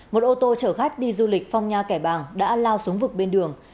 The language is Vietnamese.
một ô tô chở khách đi du lịch phong nha kẻ bàng đã lao xuống vực bên đường